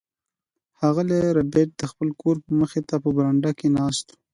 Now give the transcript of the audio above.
ښاغلی ربیټ د خپل کور مخې ته په برنډه کې ناست و